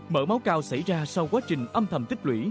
mở máu cao xảy ra sau quá trình âm thầm tích lũy